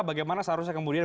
bagaimana seharusnya kemudian